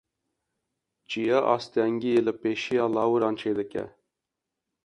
Çiya astengiyê li pêşiya lawiran çêdike.